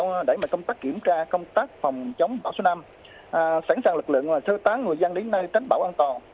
và đẩy mặt công tác kiểm tra công tác phòng chống bão số năm sẵn sàng lực lượng sơ tán người dân đến nơi tránh bão an toàn